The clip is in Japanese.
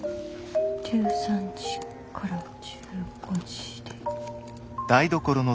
１３時から１５時で。